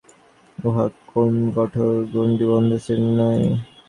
জাতি হইল চরিত্রের একটি অবস্থা, উহা কোন কঠোর গণ্ডীবদ্ধ শ্রেণী নয়।